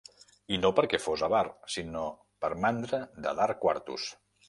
I no perquè fos avar, sinó per mandra de dar quartos.